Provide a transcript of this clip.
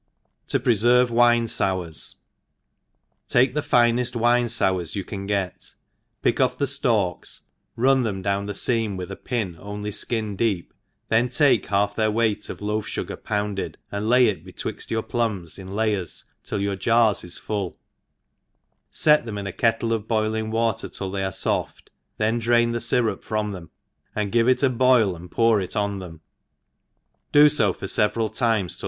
•» T? preferve Wine Sours. TAKE the fineft wine fours you can get, pick off the ftalks, run down the feam with a |)in only fkin deep, then take half their weight of loaf fugar pounded, and lay it betwixt your plums in layers till your jar is full, fet them io a kettle of boilinjg water till they are foft, thca draio the fyrup from them, and give It a boii» and pour it on them, do fo for feveral times, till A ENGLISH HOUSE.KEEPER.